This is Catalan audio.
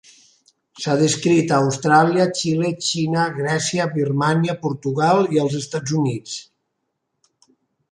S’ha descrit a Austràlia, Xile, Xina, Grècia, Birmània, Portugal i als Estats Units.